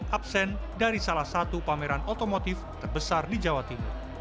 absen dari salah satu pameran otomotif terbesar di jawa timur